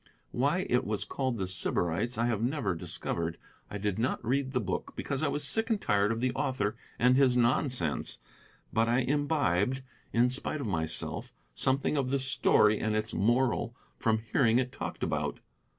Why it was called The Sybarites I have never discovered. I did not read the book because I was sick and tired of the author and his nonsense, but I imbibed, in spite of myself, something of the story and its moral from hearing it talked about.